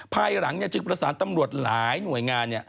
ภายหลังจึงประสานตำรวจหลายหน่วยงาน